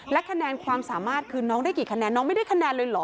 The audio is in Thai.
คะแนนความสามารถคือน้องได้กี่คะแนนน้องไม่ได้คะแนนเลยเหรอ